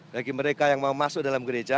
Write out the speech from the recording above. bagi mereka yang mau masuk dalam gereja